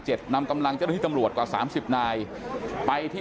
เจ็ดนำกำรังเจ้าลิทธิตำรวดกว่าสามสิบนายไปที่